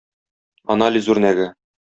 Анализ үрнәге: